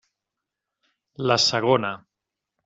La segona.